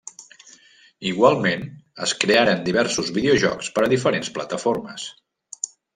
Igualment, es crearen diversos videojocs per a diferents plataformes.